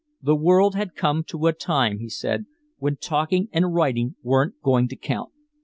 The world had come to a time, he said, when talking and writing weren't going to count.